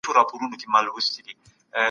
د قرآن پيغام ته غوږ ونیسئ.